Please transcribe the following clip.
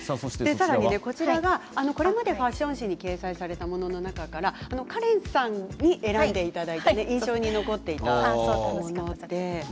さらに、これまでファッション誌に掲載されたものの中からカレンさんに選んでいただいた印象に残っていた写真です。